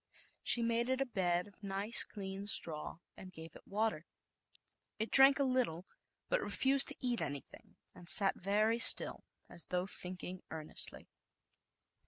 She made it a bed of nice clean straw and gave it water. It drank a little, but re fused to eat anything, and sat very still, as though thinking earnestly.